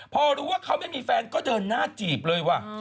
พอรู้ว่าเขาไม่มีแฟนก็เดินหน้าจีบเลยว่ะ